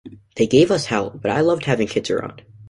They gave us hell, but I loved having kids around.